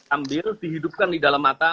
ambil dihidupkan di dalam mata